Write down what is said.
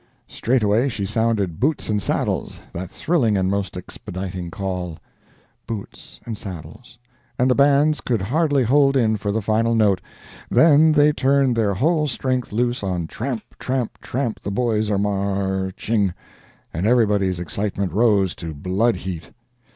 Straightway she sounded "boots and saddles," that thrilling and most expediting call. ... [Picture: Boots and Saddles [music score]] and the bands could hardly hold in for the final note; then they turned their whole strength loose on "Tramp, tramp, tramp, the boys are marching," and everybody's excitement rose to blood heat.